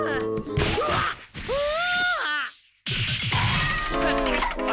うわっうわ！